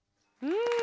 うん。